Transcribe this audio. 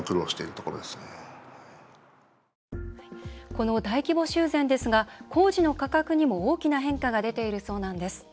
この大規模修繕ですが工事の価格にも大きな変化が出ているそうなんです。